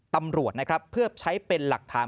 ตำรวจนะครับเพื่อใช้เป็นหลักฐาน